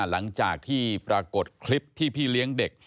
หลังจากที่ปรากฏคลิปที่พี่เลี้ยงเด็ก